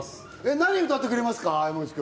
何を歌ってくれますか？